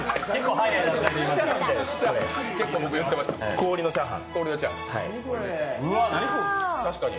氷のチャーハン。